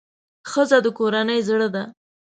ښځه د کورنۍ زړه ده.